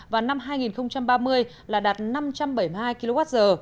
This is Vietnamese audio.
và năm hai nghìn ba mươi là đạt năm trăm bảy mươi hai kwh